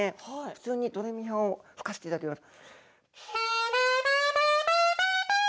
普通にドレミファを吹かせていただきます。